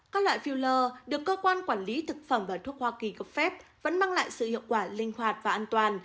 các loại filler được cơ quan quản lý thực phẩm và thuốc hoa kỳ cập phép vẫn mang lại sự hiệu quả linh hoạt và an toàn